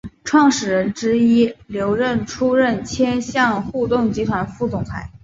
创始人之一刘韧出任千橡互动集团副总裁。